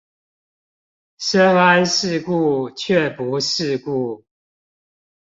深諳世故卻不世故